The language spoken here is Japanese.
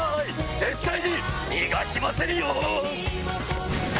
絶対に逃がしませんよ！